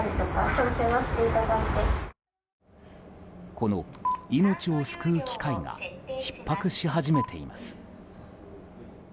この命を救う機械がひっ迫し始めています。